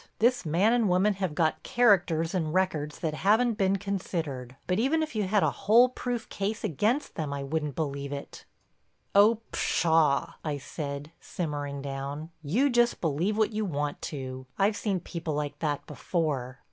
This man and woman have got characters and records that haven't been considered—but even if you had a hole proof case against them I wouldn't believe it." "Oh, pshaw!" I said, simmering down, "you just believe what you want to. I've seen people like that before."